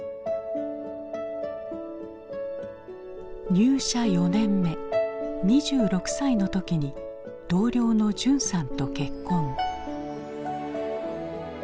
入社４年目２６歳の時に同僚の淳さんと結婚。